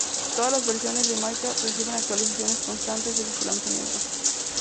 Todas las versiones de Minecraft reciben actualizaciones constantes desde su lanzamiento.